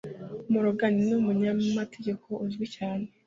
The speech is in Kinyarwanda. Morgan ni umunyamategeko uzwi cyane